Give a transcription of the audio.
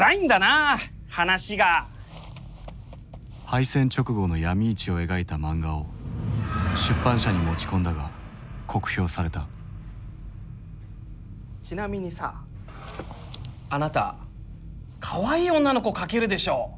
敗戦直後の闇市を描いたマンガを出版社に持ち込んだが酷評されたちなみにさあなたかわいい女の子描けるでしょ。